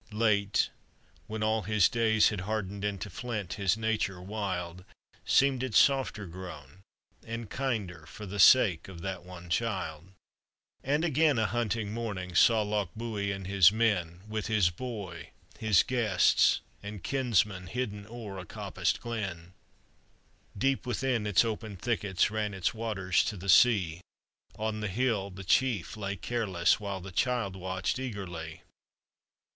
Late, when all his days had hardened Into flint his nature wild, Seemed it softer grown and kinder, For the sake of that one child. POETRY ON OR ABOUT THE MACLEANS. 417 And again a hunting morning, Saw Lochbuie and his men, With his boy, his guests, and kinsmen Hidden o'er a coppiced glen. Beep, within its opened thickets, Kan its waters to the sea ; On the hill the chief lay careless, While the child watched eagerly.